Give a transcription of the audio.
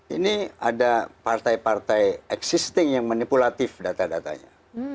ini ada partai partai existing yang manipulatif data datanya